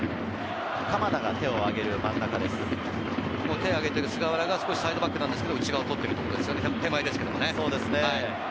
手を上げている菅原がサイドバックなんですけど、内側をとっているんですよね、手前ですけどね。